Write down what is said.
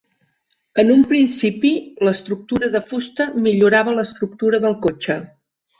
En un principi, l'estructura de fusta millorava l'estructura del cotxe.